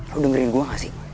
lo dengerin gue gak sih